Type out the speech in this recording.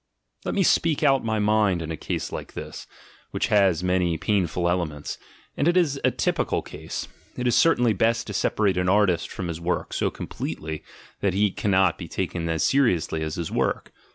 Let me speak out my mind in a case like this, which has many painful elements — and it is a typical case: it is certainly best to separate an artist from his work so com ASCETIC IDEALS 99 pletely that he cannot be taken as seriously as his work.